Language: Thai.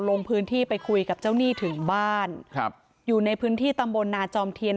ลงพื้นที่ไปคุยกับเจ้าหนี้ถึงบ้านครับอยู่ในพื้นที่ตำบลนาจอมเทียน